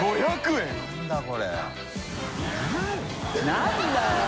何だよ。